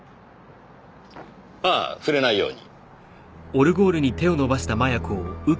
ああ触れないように。